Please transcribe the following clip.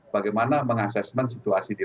bagaimana mengasesmen situasi di